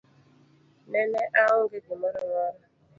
Nene aonge gimoro amora.